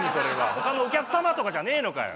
ほかのお客様とかじゃねえのかよ。